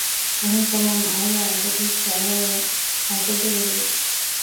އެހެންކަމުން އާޔާ އަބަދުވެސް ސާރާއަށް ހަސަދަވެރިވެ